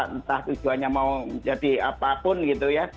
entah tujuannya mau jadi apapun gitu ya